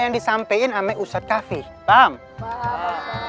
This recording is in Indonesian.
yang disampaikan amai usat allah dan yang sebelumnya yang menjelaskan ini satu satunya